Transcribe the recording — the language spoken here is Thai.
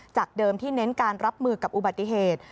จากเดิมที่เน้นการรับมือกับอุบัติเหตุ